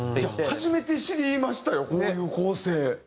初めて知りましたよこういう構成。